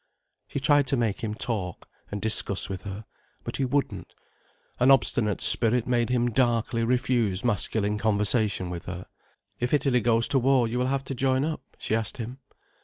She tried to make him talk and discuss with her. But he wouldn't. An obstinate spirit made him darkly refuse masculine conversation with her. "If Italy goes to war, you will have to join up?" she asked him.